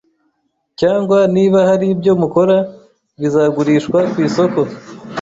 Cyangwa niba hari ibyo mukora bizagurishwa ku isoko,